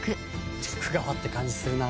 徳川って感じするな。